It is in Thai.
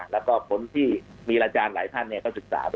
แล้วก็คนที่มีอาจารย์หลายท่านก็ศึกษา